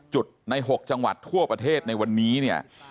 จุดใน๖จังหวัดทั่วประเทศในวันนี้เนี่ย